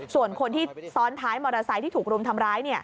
ส่วนคนที่ซ้อนท้ายมอเตอร์ไซค์ที่ถูกรุมทำร้าย